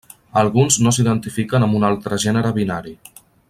Alguns no s'identifiquen amb un altre gènere binari.